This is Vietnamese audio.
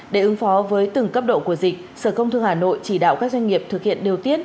để ứng phó với từng cấp độ của dịch sở công thương hà nội chỉ đạo các doanh nghiệp thực hiện điều tiết